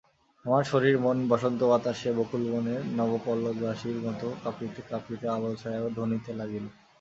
আমার শরীর মন বসন্তবাতাসে বকুলবনের নবপল্লবরাশির মতো কাঁপিতে কাঁপিতে আলোছায়া ধুনিতে লাগিল।